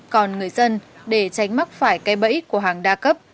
còn người dân để tránh mắc phải cây bẫy của hàng đa cấp